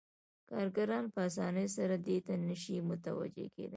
کارګران په اسانۍ سره دې ته نشي متوجه کېدای